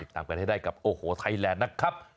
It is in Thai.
ตามกันให้ได้กับโอ้โหไทยแลนด์นะครับ